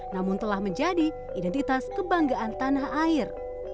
namun telah menjadi identitas kebanggaan tanah air